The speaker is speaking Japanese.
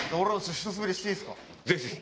ぜひぜひ。